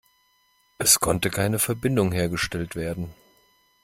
Es konnte keine Verbindung hergestellt werden.